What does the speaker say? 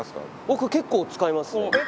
僕結構使いますね。